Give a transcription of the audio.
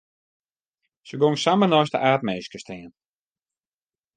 Se gyng samar neist de aapminske stean.